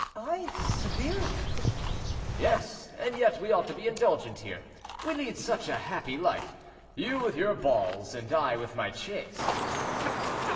"I severe?" "Yes; and yet we ought to be indulgent here, we lead such a happy life, you with your balls, and I with my chase."